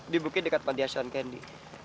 di bukit dekat panti asuhan candy